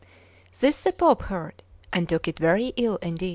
This the Pope heard, and took it very ill indeed.